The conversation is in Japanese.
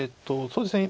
そうですね